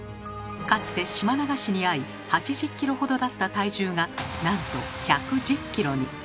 かつて島流しにあい８０ｋｇほどだった体重がなんと１１０ｋｇに。